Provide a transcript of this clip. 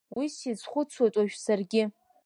Уи сизхәыцуеит уажә саргьы.